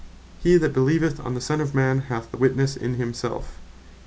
"He that beleeveth on the Son of man hath the Witnesse in himselfe."